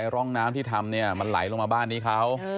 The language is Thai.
ร่องน้ำที่ทำมันไหลลงมาบ้านนี้เขา